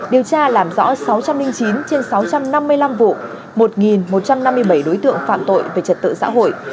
điều tra làm rõ sáu trăm linh chín trên sáu trăm năm mươi năm vụ một một trăm năm mươi bảy đối tượng phạm tội về trật tự xã hội